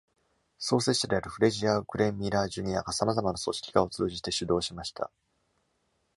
創設者であるフレジアー・グレン・ミラー Jr. がさまざまな組織化を通じて主導しました。